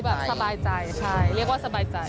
คือแบบสบายใจใช่เรียกว่าสบายใจ